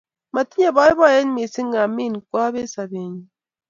Matinye poipoiyet missing' amin kwaabet simennyu.